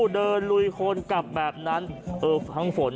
เดินย่ำคนเล่นเห็นมั้ย